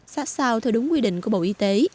sát sao theo đúng quy định của bộ y tế